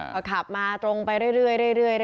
ก็ขับมาตรงไปเรื่อย